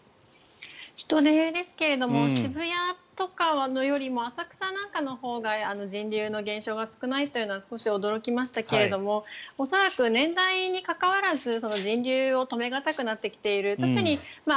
人出ですが渋谷とかよりも浅草なんかのほうが人流の減少が少ないというのは少し驚きましたが恐らく年代に関わらず人流を止め難くなってきている。